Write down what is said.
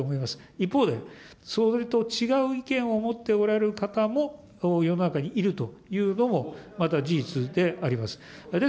一方で、それと違う意見を持っておられる方も、世の中にいるというのもまた事実であります。